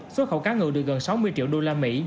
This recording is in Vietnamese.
xuất khẩu cá ngự được gần sáu mươi triệu usd